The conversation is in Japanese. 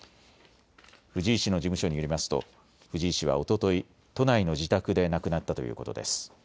藤井氏の事務所によりますと藤井氏はおととい、都内の自宅で亡くなったということです。